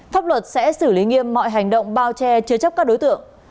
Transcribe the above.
pháp luật sẽ xử lý nghiêm mọi hành động bao che chứa chấp các đối tượng